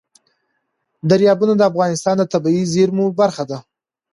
دریابونه د افغانستان د طبیعي زیرمو برخه ده.